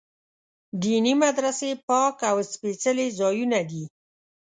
دیني مدرسې پاک او سپېڅلي ځایونه دي.